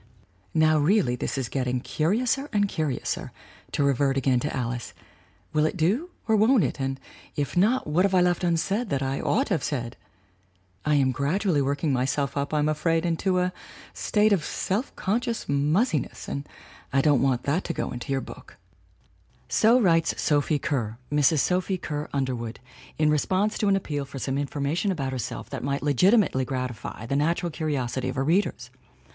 "(Now, really this is getting 'curiouser and curi ouser,' to revert again to Alice. Will it do or won't it? And, if not, what have I left unsaid that I ought to have said? I am gradually working myself up, I am afraid, into a state of self conscious muzzi ness. And I don't want that to go into your book.)" 232 THE WOMEN WHO MAKE OUR NOVELS So writes Sophie Kerr (Mrs. Sophie Kerr Under wood) in response to an appeal for some information about herself that might legitimately gratify the natu ral curiosity of her readers.